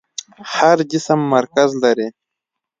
هر جسم مرکز لري.